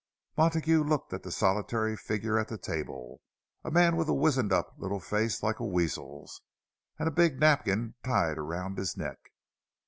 Montague looked at the solitary figure at the table, a man with a wizened up little face like a weasel's, and a big napkin tied around his neck.